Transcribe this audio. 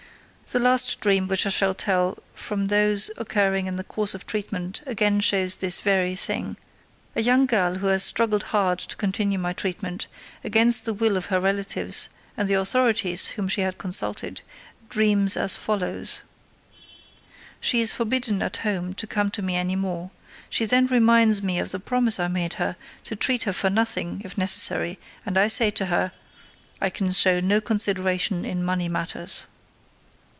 The last dream which I shall tell from those occurring in the course of treatment again shows this very thing. A young girl who has struggled hard to continue my treatment, against the will of her relatives and the authorities whom she had consulted, dreams as follows: _She is forbidden at home to come to me any more. She then reminds me of the promise I made her to treat her for nothing if necessary, and I say to her: "I can show no consideration in money matters."